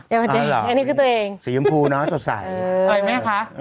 อยากเป็นตัวเองอันนี้คือตัวเองสีย้ำพูเนอะสดใสอะไรแม่คะ